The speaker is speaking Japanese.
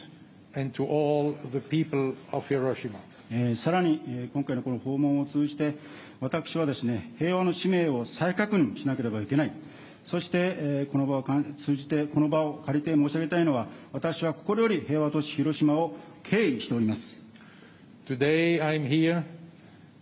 さらに今回のこの訪問を通じて、私は平和の使命を再確認しなければいけない、そして、この場を通じて、この場を借りて申し上げたいのは、私は心より平和都市、広島を敬意しております。